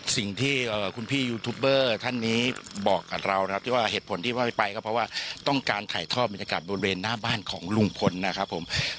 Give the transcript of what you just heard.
สิ่งที่คุณพี่ยูทูปเบอร์ท่านนี้บอกกับเรานะครับที่ว่าเหตุผลที่ว่าไม่ไปก็เพราะว่าต้องการถ่ายทอดบรรยากาศบริเวณหน้าบ้านของลุงพลนะครับผม